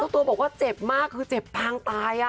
ตัวบอกว่าเจ็บมากคือเจ็บปางตาย